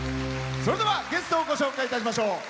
それではゲストをご紹介いたしましょう。